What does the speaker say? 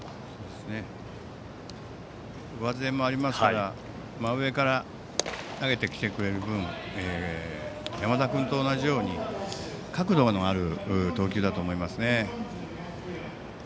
上背もありますから真上から投げてきてくれる分山田君と同じように角度のある投球だと思いますね。